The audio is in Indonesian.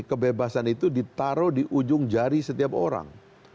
kebebasan itu ditaruh di ujung jari setiap orang